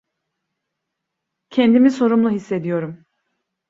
Kendimi sorumlu hissediyorum.